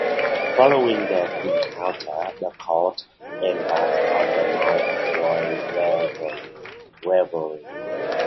Following their encounter, the Count embarks on a night of wild revelry.